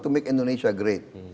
to make indonesia great